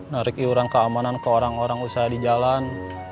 narik iuran keamanan ke orang orang usaha di jalan